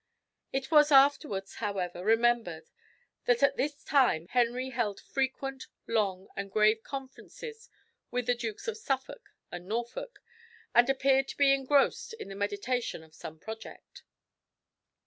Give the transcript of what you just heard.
It was afterwards, however, remembered that at this time Henry held frequent, long, and grave conferences with the Dukes of Suffolk and Norfolk, and appeared to be engrossed in the meditation of some project.